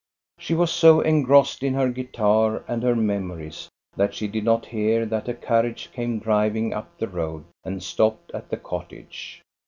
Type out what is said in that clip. She was so engrossed in her guitar and her mem ories that she did not hear that a carriage came driving up the road and stopped at the cottage.